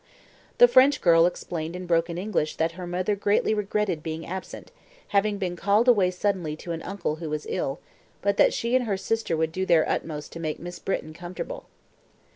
The French girl explained in broken English that her mother greatly regretted being absent, having been called away suddenly to an uncle who was ill, but that she and her sister would do their utmost to make Miss Britton comfortable.